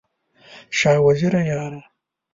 شاه وزیره یاره!